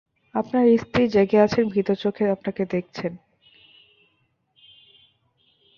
আপনার স্ত্রী জেগে আছেন-ভীত চোখে আপনাকে দেখছেন।